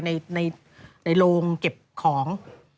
ในโรงเก็บของ